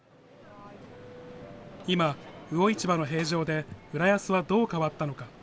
今、魚市場の閉場で、浦安はどう変わったのか。